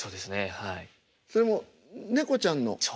はい。